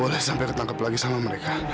aku gak boleh sampai ketangkep lagi sama mereka